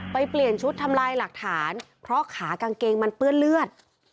เปลี่ยนชุดทำลายหลักฐานเพราะขากางเกงมันเปื้อนเลือด